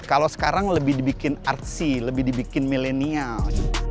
kalau sekarang lebih dibikin artsy lebih dibikin milenial